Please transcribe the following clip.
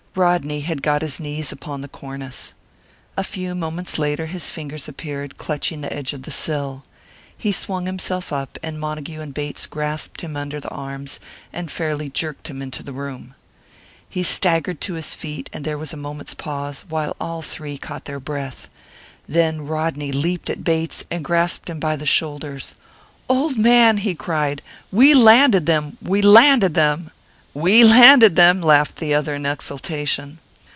Rodney had got his knees upon the cornice. A few moments later his fingers appeared, clutching the edge of the sill. He swung himself up, and Montague and Bates grasped him under the arms, and fairly jerked him into the room. He staggered to his feet; and there was a moment's pause, while all three caught their breath. Then Rodney leaped at Bates, and grasped him by the shoulders. "Old man!" he cried. "We landed them! We landed them!" "We landed them!" laughed the other in exultation.